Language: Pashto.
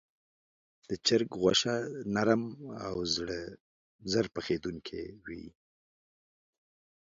د چرګ غوښه نرم او ژر پخېدونکې وي.